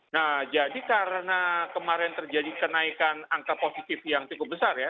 nah jadi karena kemarin terjadi kenaikan angka positif yang cukup besar ya